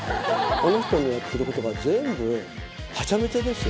あの人のやってることは全部ハチャメチャですよ。